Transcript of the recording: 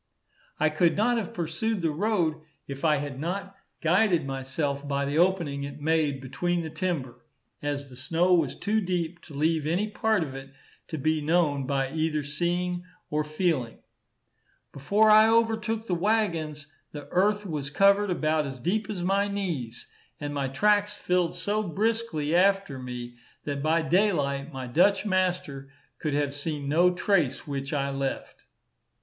I could not have pursued the road if I had not guided myself by the opening it made between the timber, as the snow was too deep to leave any part of it to be known by either seeing or feeling. Before I overtook the waggons, the earth was covered about as deep as my knees; and my tracks filled so briskly after me, that by daylight, my Dutch master could have seen no trace which I left.